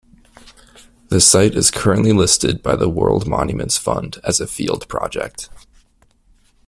The site is currently listed by the World Monuments Fund as a field project.